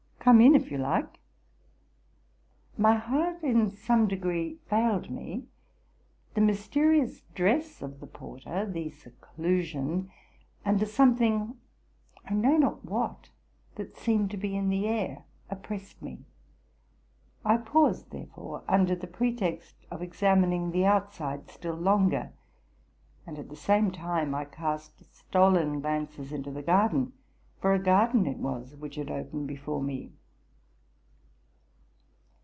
Come in, if you like.'? My heart, in some degree, failed me. 'The mysterious dress of the porter, the seclusion, and a something, I know not what, that seemed to be in the air, oppressed me. I paused, therefore, under the pretext of examining the outside still longer; and at the same time I cast stolen glances into the carden, for a garden it was which had opened before me.